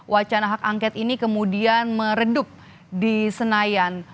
wacana hak angket ini kemudian meredup di senayan